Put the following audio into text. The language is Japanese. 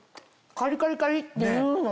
カリカリカリっていうの！